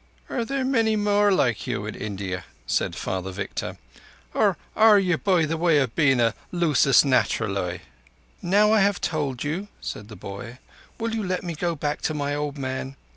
"Are there many more like you in India?" said Father Victor, "or are you by way o' being a lusus naturæ?" "Now I have told you," said the boy, "will you let me go back to my old man?